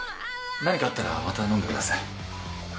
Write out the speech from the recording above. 何かあったらまた飲んでください。